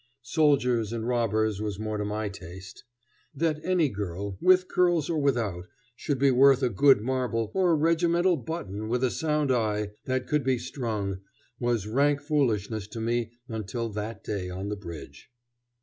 "Soldiers and robbers" was more to my taste. That any girl, with curls or without, should be worth a good marble, or a regimental button with a sound eye, that could be strung, was rank foolishness to me until that day on the bridge.